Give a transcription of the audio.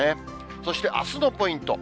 そしてあすのポイント。